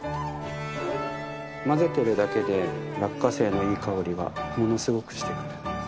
混ぜているだけで落花生のいい香りがものすごくしてくる。